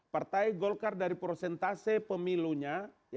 partai golkar dari prosentase pemilunya